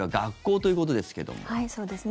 そうですね。